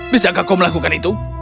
bisakah kau melakukan itu